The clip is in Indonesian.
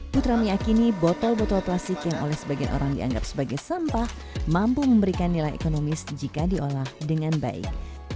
putra meyakini botol botol plastik yang oleh sebagian orang dianggap sebagai sampah mampu memberikan nilai ekonomis jika diolah dengan baik